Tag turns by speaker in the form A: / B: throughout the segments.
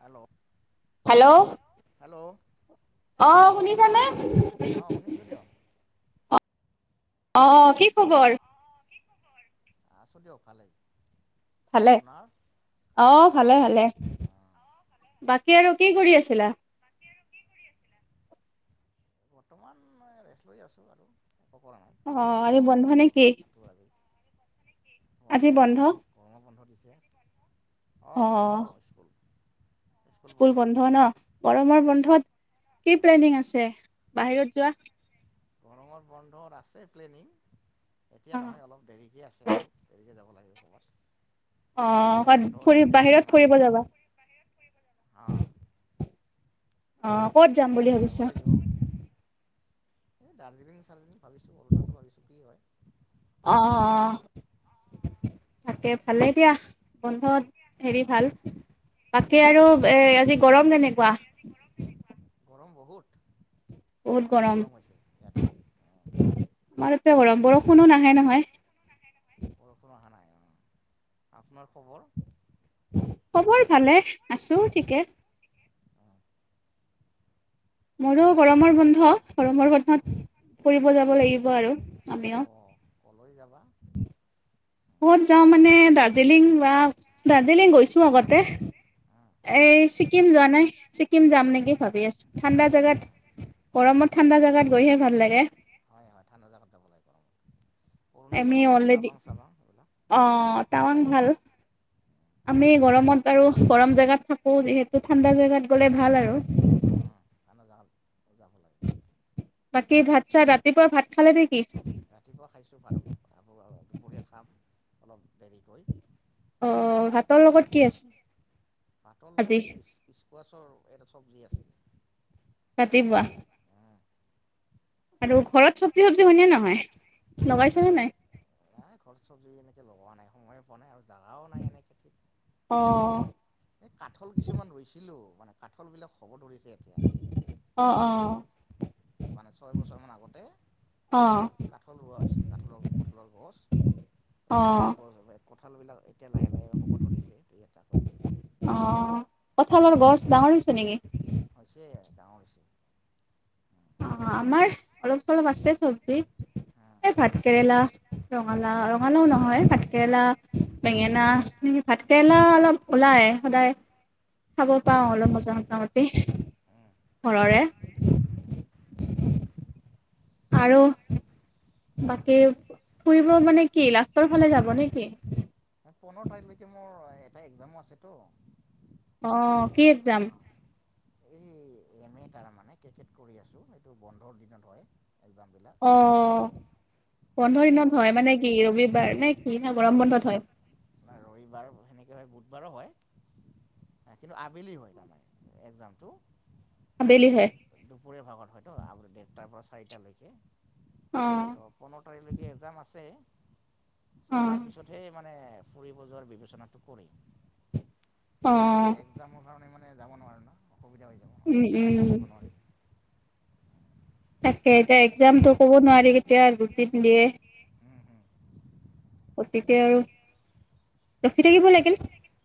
A: হেল্লেল hello'-
B: আহ শুনিছানে? অঁ অঁ কি খবৰ।
A: আছো দিয়ক ভালেই-
B: ভালে আহ ভালে ভালে- বাকী আৰু কি কৰি আছিলা।
A: বৰ্তমান ৰে লৈ আছো। আৰু এক পৰা নাই গৰম যিহেতু বতৰটো আজি- বন্ধ অঁ কৰোণা বন্ধ দিছে অঁ বন্ধ স্কুল
B: স্কুল বন্ধ ন গৰমৰ বন্ধত- কি প্লেনিং আছে বাহিৰত যোৱা-
A: গৰমত বন্ধত আছে প্লেনিং- এতিয়া নহয় অলপ দেৰিকে আছে আকৌ দেৰিকে যাব লাগিব-
B: আহ কাত ফুৰি বাহিৰত ফুৰিব যাবা। আহ ক'ত যাম বুলি ভাবিছা
A: এই দাৰ্জিলিং চাৰ্জিলি ভাবিছো অৰুণাচল ভাবিছো কি হয়।
B: আহঁ তাকে ভালে এতিয়া বন্ধ হেৰি ভাল বাকী আৰু এ আজি গৰম কেনেকুৱা
A: গৰম বহুত বহুত গৰম হৈছে ইয়াতে অ
B: গৰম বৰষুণো নাহে নহয়
A: বৰষুণ অহা নাই অ আপোনাৰ খবৰ
B: খবৰ ভালে আছো ঠিকে মোৰ গৰমৰ বন্ধ গৰমৰ বত ফব যাব লাগিব আৰু আমিও
A: হৈ যাবা
B: ক'ত যাওঁ মানে দাৰ্জিলিং বা দাৰ্জিলিং গৈছো আগতে এই ছিকিম যোৱা নাই ছিক্কিম যাম নেকি ভাবি আছো ঠাণ্ডা জোগাত গৰমত ঠাণ্ডা জাগাত গৈহে ভাল লাগে
A: হয় হয় ঠাণ্ডা জাগগাত যাব লাগিব আৰু
B: এম অলৰেডি অঁ তামাং ভাল আমি গৰমত আৰু গৰম জেগাত থাকো যিহেতু ঠাণ্ডা জোগাত গ'লে ভাল আৰু
A: আ য যাব
B: কি ভাত চাত ৰাতিপুৱা ভাত খালে নেকি
A: অলপ দেৰিকৈ
B: আহ ভাতৰ লগত কি আছে আজি
A: কুৱাছৰ এটা চব্জি আছিলে
B: ৰাতিপুৱা আৰু ঘৰত চব্জি চবজি হয়নে নহয় লগাইছনে নাই
A: এ ঘৰ চবজি এনেকে লগোৱা নাই সময়ে পোৱা নাই আৰু জাগাও নাই এনেকে ঠিক এই কাঠল কিছুমান ৰুইছিলো মানে কাঠল বিলাক হ'ব ধৰিছে
B: অঁ অঁ
A: মানে ছয় বছৰমান আগতে কাঠল ৰোৱা হৈছিল কাঠলৰ কঁঠলৰ গছ। কঁঠালৰ গছ কঁঠাল বিলাক এতিয়া লাহে লাহে হ'ব ধৰিছে দুই এটাকৈ।
B: অ কঁঠালৰ গছ ডাঙৰ হৈছে নেকি?
A: ডাঙৰ হৈছে।
B: অ আমাৰ অলপ চলপ আছে চবজি। এই ভাত কেৰেলা ৰঙালা ৰঙালাও নহয় ভাত কেৰেলা বেঙেনা ভাতকেৰেলা অলপ ওলাই সদায় খাব পাওঁ অলপ মজা মোতামতে ঘৰৰে আৰু বাকী ফুৰিব মানে কি লাষ্টৰ ফালে যাব নেকি
A: পোন্ধৰ তাৰিখলৈকে মোৰ এটা একজামো আছেতো
B: আহ কি এক যাম
A: এই এমেই তাৰ মানে কে কৰি আছো এইটো বন্ধৰ দিনত হয়
B: আহ পোন্ধৰ দিনত হয় মানে কি ৰবিবাৰ নে কি ন গৰম বন্ধত হয়।
A: ৰবিবাৰ সেনেকৈ হয় বুধবাৰো হয়। কিন্তু আবেলি হয় তাৰমানে একজামটো দুপৰ ভাগত হয়ত আ দেৰটাৰ পৰা চাৰিটা লৈকে ছ পোন্ধৰ তাৰিখলৈকে একজাম আছে চ' তাৰপিছতহে মানে ফুৰিব যোৱাৰ বিবেচনাটো কৰিম। এতিয়া একজামৰ কাৰণে মানে যাব নোৱাৰে ন সসুবিধা হৈ যাব এক্সাম দিব নোৱাৰিম।
B: তাকে এতিয়া একজামতটো ক'ব নোৱাৰি কেতিয়া আৰু গুট নি দিয়ে গতিকে আৰু ৰখি থাকিব লাগিল।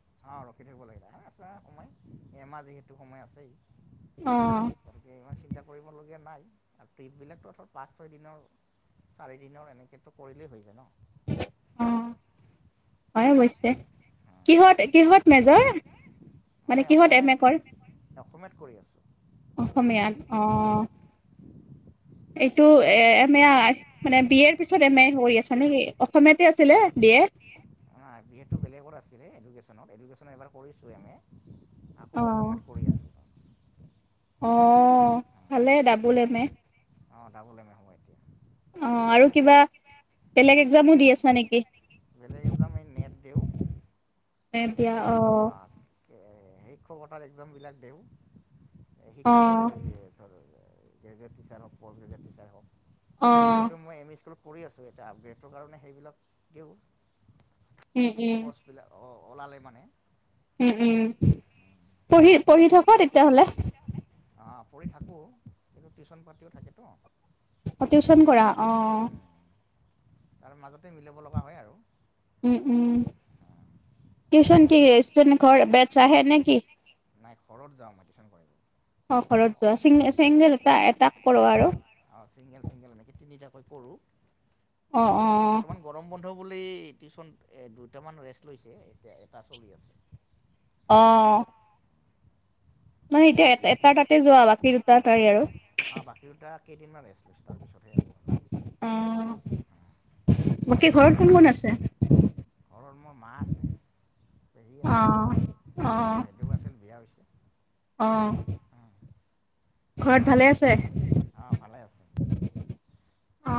A: অ ৰখি থাকিব লাগিল আ সো এইমাহ যিহেতু সময় আছেই। গতিকে ইমান চিন্তা কৰিবলগীয়া নাই। আৰু ট্ৰিপ বিলাকো অ পাঁচ ছয় দিনৰ চাৰি দিনৰ এনেকো কৰিলেই হৈ যায় ন।
B: অ হয় অৱশ্যে। কিহত কিহত মেজৰ মানে কিহত এম এ কৰ।
A: অসমীয়াত কৰি আছোঁ।
B: অসমীয়াত আহ। এইটো এ এম এ মানে বি এৰ পিছত এম এ কৰি আছা নে কি অসমীয়াতে আছিলে বি এ [inaudible]
A: বিহটো বেলেগৰ আছিলে এডুকেশ্যনত এডুকেশ্যন এবাৰ কৰিছোঁ আমি। আকৌ অসমেত কৰি আছো।
B: অ ভালে ডাবুল এম এ
A: অঁ ডাবোল এম এ হ'ব এতিয়া।
B: অ আৰু কিবা বেলেগ একজামো দি আছা নেকি? এ এতিয়া অ।
A: শিক্ষকতাৰ একজামবিলাক দিওঁ শিক্ষক হ'বলৈ যি ধৰ। গ্ৰেজুৱে টিচাৰ হওক পষ্ট গ্ৰেজুৱেট টিচাৰ হওক যিহেতু মই এম স্কুল। কৰি আছোঁ এতিয়া আপগ্ৰেডৰ কাৰণে সেইবিলাক দিওঁ পষ্টবিলাক অঁ। অললে মানে।
B: উম উম পঢহি। পঢ়ি থাক তেতিয়াহলে।
A: কিন্তু টিউশ্যন পাৰ্টিও থাকেতো
B: টিউচন কৰা অ।
A: তাৰ মাজতে মিলাব লগা হয় আৰু
B: উম উম তিয়োশন কি ঘৰ বেচ আহে নেকি?
A: নাই ঘৰত যওঁ মই টিউচন ৰ কাৰণে
B: অ ঘৰত যোৱা চিং চিংগেল এটা এটাক কৰো আৰু
A: হয় কৰোঁ। বৰ্তমান গৰম বন্ধ স্কুল টিউশচন দুটামান ৰেষ্ট লৈছে, এতিয়া এটা চলি আছে
B: আহ মানে এতিয়া এ এটা তাতে যোৱা বাকী দুটা তাই আৰু
A: কেইদিনমান ৰেষ্ট লৈছোঁ তাৰপিছতহে হ'ব আৰু
B: কোন কোন আছে?
A: মোৰ মা আছে, পেহী আছে আৰু বাইদেউ আছিল বিয়া হৈছে।
B: আহ ঘৰত ভালে আছে?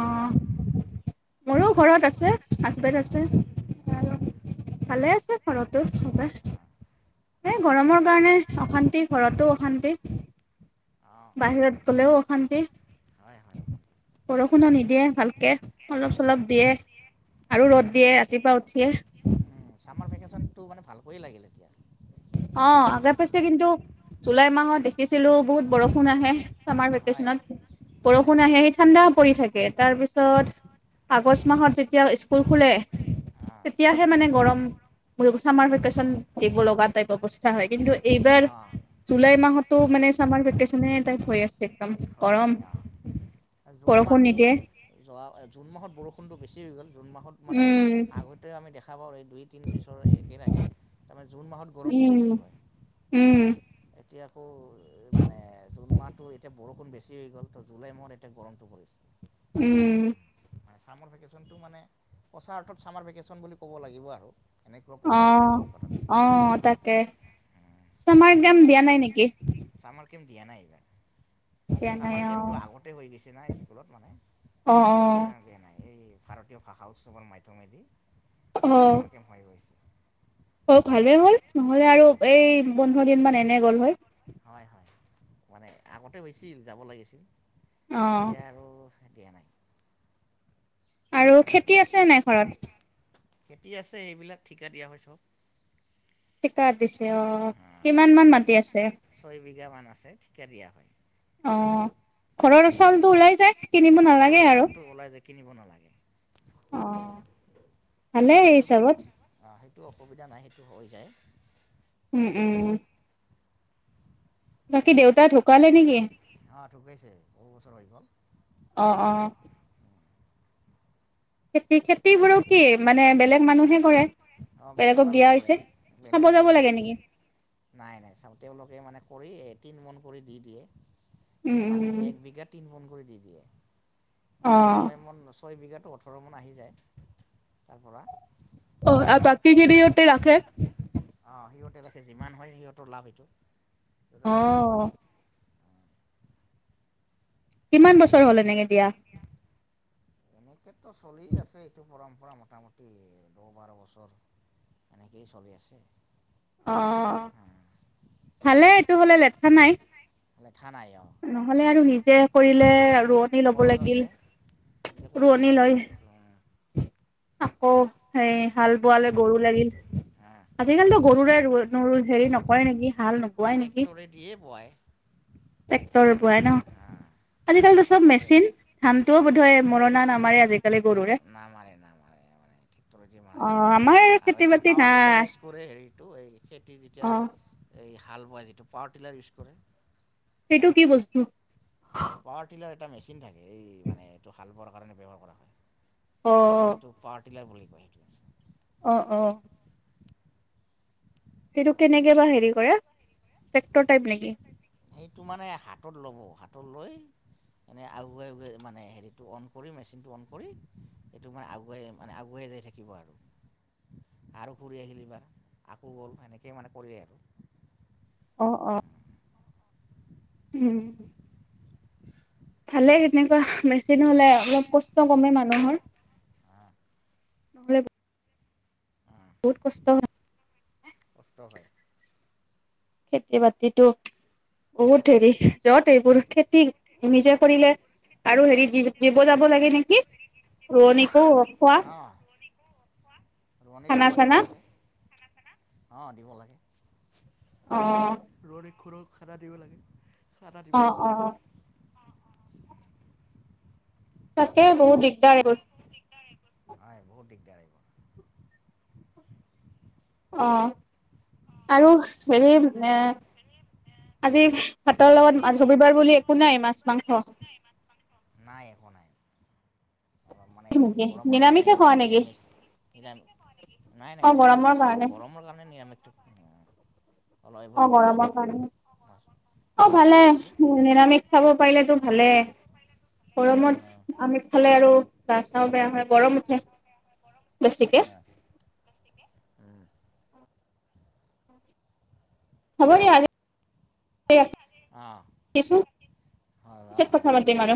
A: আপোনাৰ?
B: মোৰো ঘৰত আছে হাজবেণ্ড আছে। ভালে আছে ঘৰতো সবে। এ গৰমৰ কাৰণে অশান্তি ঘৰতো অশান্তি। বাহিৰত গ'লেও অশান্তি। বৰষুণো নিদিয়ে ভাল। তাকে অলপ চলপ দিয়ে আৰু ৰ'দ দিয়ে ৰাতিপুৱা উঠিয়ে।
A: টো মানে ভালকৈয়ে লাগিল।
B: অ আগে পিছে কিন্তু জুলাই মাহত দেখিছিলো বহুত বৰষুণ আহে। চামাৰ ভেকচনত বৰষুণ আহে আহি ঠাণ্ডা পৰি থাকে তাৰপিছত। আগষ্ট মাহত যেতিয়া স্কুল খোলে। তেতিয়াহে মানে গৰম চামাৰ ভেকেচন দিব লগাত। টাইপ অৱস্থা হয়। কিন্তু এইবাৰ জুলাই মাহতো মানে চামাৰ ভেকচনে টাইপ হৈ আছে।
A: হৈ আছে অ। জুন মাহটো যোৱা জুন মাহত বৰষুণটো বেছি হৈ গ'ল। জুন মাহত মানে আগতেও আমি দেখা পাওঁ এই দুই তিনি পিছৰ একেৰাহে তাৰমানে জুন মাহত গৰমটো বেছি হয়। এতিয়া আকৌ মানে জুন মাহতটো এতিয়া বৰষুণ বেছি হৈ গ'ল, ত জুলাই মাহত এতিয়া গৰমটো পৰিছে।
B: উম
A: চাৰ ভেকেনটো মানে পচাৰ অত চামাৰ ভেকেচন বুলি ক'ব লাগিব আৰু।
B: অ অহ তাকে। চমাৰ এক্জাম দিয়া নাই নেকি?
A: চামাৰ কেম দিয়া নাই এইবাৰ। ছামাৰ কেম্পটো আগতে হৈ গৈছে না স্কুলত মানে সেইকাৰণে দিয়ে নাই এই ভাৰতীয় ভাষা উৎসৱৰ মাধ্যমেদি এইটো চামাৰকেম হৈ গৈছে
B: অ ভালেই হ'ল, নহলে আৰু এই বন্ধৰ দিন মান এনে গ'ল হয়।
A: মানে আগতে হৈছিল যাব লাগিছিল এতিয়া আৰু দিয়া নাই।
B: আৰু খেতি আছে নাই ঘৰত?
A: খেতি আছে এইবিলাক ঠিকা দিয়া হয় চব।
B: ঠিকা দিছে অ, কিমান মান মাটি আছে?
A: ন আছে ঠিকা দিয়া হয়
B: অ, ঘৰৰ চাউলটো ওলাই যায় কিনিব নালাগে আৰু।
A: কিনিব নালাগে।
B: অ ভালে এই হিচাপত
A: অসুবিধা নাই সেইটো হৈ যায়।
B: উম উম বাকী দেউতা তা ঢুকালে নেকি? অ অ খেতি খেতিবোৰক কি মানে বেলেগ মানুহে কৰে বেলেগক দিয়া হৈছে চাব যাব লাগে নেকি।
A: নাই নাই চাও তেওঁলোকে মানে কৰি। তিন মন কৰি দি দিয়ে মানে এক বিঘাত তিন মন কৰি দি দিয়ে। ছয় মুন ছয় বিঘাতো ওঠৰ মোন আহি যায় তাৰ পৰা।
B: অ আৰু তাৰ তিনিবিঘা টো ৰাখে।
A: এতিয় লৈকে যিমান হয় সিহঁতৰ লাভ এইটো
B: আহ কিমান বছৰ হ'ল এ নেকি দিয়া
A: এনেকেতো চলিয় আছে এইটো পৰম্পৰা মোটামুটি দহ বাৰ বছৰ এনেকেই চলি আছে
B: অ ভালে এইটো হলে লেঠা নাই নহলে আৰু নিজে কৰিলে ৰোৱনি ল'ব লাগিল
A: নিজে কৰি ৰুল ৰুল খালুং
B: আকৌ সেই হাল বোৱালে গৰু লাগিল আজিকালিতো গৰুৰে হেৰি নকৰে নেকি হাল নোবোৱাই নেকি টেক্টৰৰ পৰাই ন আজিকালো চব মেচিন ধানটোও ব থ মৰণা নামেৰে আজিকালি গৰুৰে
A: নামেৰে নামেৰে আৰু এইটো পাৱাৰ টিলাৰ ইউজ কৰে হেৰি খেতি যেতিয়া এই হাল বোৱা যিটো পাৱাৰ টিলাৰ ইউজ কৰে
B: সেইটো কি বস্তু
A: পাৱাৰ টিলাৰ এটা মেচিন থাকে এই মানে এইটো হাল বোৱাৰ কাৰণে ব্যৱহাৰ কৰা হয় এইটো পাৰ্টিলে বুলি
B: অ অ সেইটো কেনেকে বা হে কৰে ফেক্টৰ টাইপ নেকি
A: সেইটো মানে হাতত ল'ব হাতত লৈ। এনে আগুৱাই আগুৱাই মানে হেৰিটো অন কৰি মেচিনটো অন কৰি সেটো মানে আগুৱাই মানে আগুৱাই। জাই থাকিব আৰু।
B: [unintelligible]
A: আৰু ঘূৰি আহিল এইবাৰ আকৌ গ'ল সেনেকে মানে কৰে আৰু।
B: অ অ উম
A: [unintelligible]
B: ভালেই সেনেকুৱা বেছি নহলে অলপ কষ্ট কমে মানুহৰ। নহলে বহুত কষ্ট হয়
A: কষ্ট হয়।
B: খেতি বাতিটো বহুত ধৰি যত এইবোৰ খেতি নিজে কৰিলে। আৰু হেৰি জীৱ যাব লাগে নেকি ৰোৱনীকো খোৱা।
A: ৰোৱনীক খোৱা দিব লাগে অঁ দিব লাগে। ৰোৱনীক খানা দিব লাগে চাহ তাহ দিব যাব লাগে।
B: তাকে বহুত দিগদাৰ এইবোৰ।
A: হয় বহুত দিগদাৰ এইবোৰ।
B: আহ আৰু হেৰি এ আজি ভাতৰ লগত মাছ ৰবিবাৰ বুলি একো নাই মাছ মাংস।
A: নাই একো নাই।
B: গে নিৰামিছে খোৱা নেকি?
A: নিৰামিছ নাই নাই নিৰামিছ নাখাও গৰমৰ কাৰণে নিৰামিষ।
B: অ গৰমৰ কাৰণে। অ ভালে নিৰামিষ খাব পাৰিলেতো ভালে। গৰমত আমি খালে আৰু ৰাস্তাও বেয়া হয় গৰম উঠে বেছিকে
A: উম
B: হ'ব দিয়াছ [unintelligible] হে প্ৰথমতে মানে